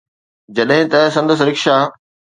جڏهن ته سندس رڪشا